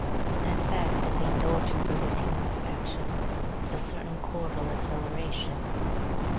The effect of the indulgence of this human affection is a certain cordial exhilaration.